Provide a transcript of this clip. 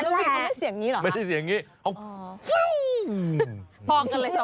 แล้ววิ่งเขาไม่ได้เสียงอย่างนี้หรือครับ